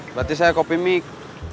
berarti saya kopi mik